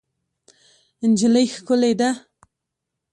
نجلۍ ښکلې ده.